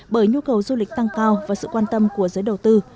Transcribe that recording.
bởi nhu cầu du lịch tăng cao và sự quan tâm của giới đầu tư